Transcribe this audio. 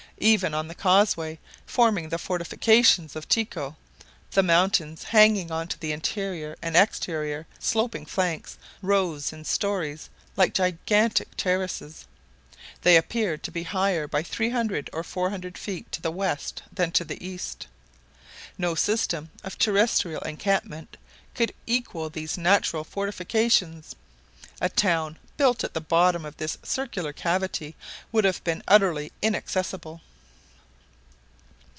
Even on the causeway forming the fortifications of Tycho, the mountains hanging on to the interior and exterior sloping flanks rose in stories like gigantic terraces. They appeared to be higher by 300 or 400 feet to the west than to the east. No system of terrestrial encampment could equal these natural fortifications. A town built at the bottom of this circular cavity would have been utterly inaccessible.